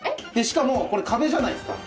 しかもこれ壁じゃないですか。